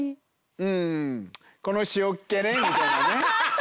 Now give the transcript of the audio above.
「うんこの塩っけね」みたいなね。